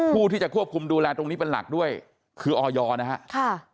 ผู้ที่จะควบคุมดูแลตรงนี้เป็นหลักด้วยคือออยนะฮะค่ะ